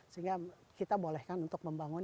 sehingga kita bolehkan untuk membangun